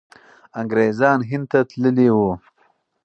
انګریزان هند ته تللي وو.